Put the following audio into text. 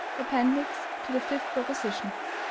APPENDIX TO THE FIFTH PROPOSITION. I.